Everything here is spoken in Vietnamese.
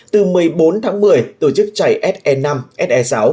từ một mươi bốn tháng một mươi tổ chức chạy se năm se sáu